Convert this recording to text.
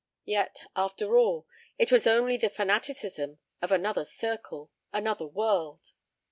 Yet, after all, it was only the fanaticism of another circle, another world.